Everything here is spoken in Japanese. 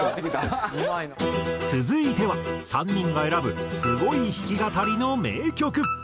続いては３人が選ぶすごい弾き語りの名曲。